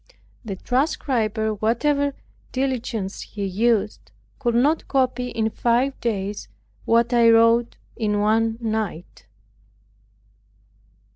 The transcriber, whatever diligence he used, could not copy in five days what I wrote in one night.